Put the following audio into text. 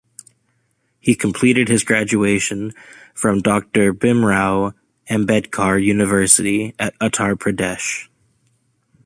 He completed his graduation from Doctor Bhimrao Ambedkar University at Uttar Pradesh.